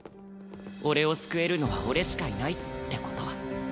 俺を救えるのは俺しかいないって事。